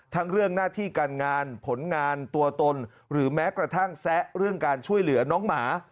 ทั้งเรื่องหน้าที่การงานผลงานตัวตนหรือแม้กระทั่งแซะเรื่องการช่วยเหลือน้องหมา